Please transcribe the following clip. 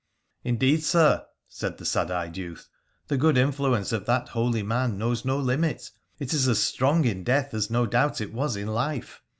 ' Indeed, sir,' said the sad eyed youth, ' the good influence of that holy man knows no limit : it is as strong in death as no doubt it was in life.